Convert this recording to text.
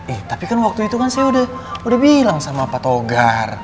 eh tapi kan waktu itu kan saya udah bilang sama pak togar